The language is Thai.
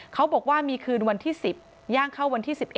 เขาบอกว่ามีคืนวันที่๑๐ย่างเข้าวันที่๑๑